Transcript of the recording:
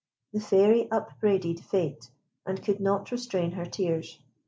The Fairy upbraided Fate, and could not restrain her tears.